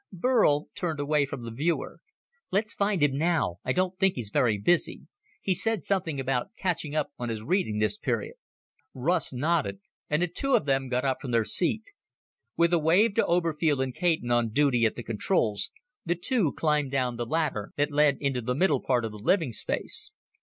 Burl turned away from the viewer. "Let's find him now. I don't think he's very busy. He said something about catching up on his reading this period." Russ nodded, and the two of them got up from their seat. With a wave to Oberfield and Caton on duty at the controls, the two climbed down the ladder that led into the middle part of the living space.